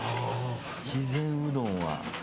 肥前うどんは。